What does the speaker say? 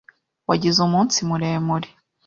Wagize umunsi muremure.